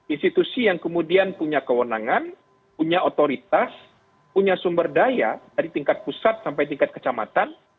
institusi yang kemudian punya kewenangan punya otoritas punya sumber daya dari tingkat pusat sampai tingkat kecamatan